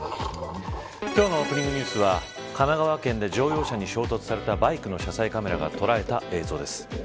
今日のオープニングニュースは神奈川県で乗用車に衝突されたバイクの車載カメラが捉えた映像です。